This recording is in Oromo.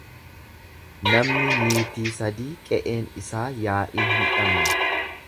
Namni niitii sadii qe'een isaa yaa'ii hin dhabne.